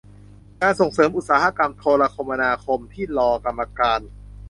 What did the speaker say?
การส่งเสริมอุตสาหกรรมโทรคมนาคมที่รอกรรมการ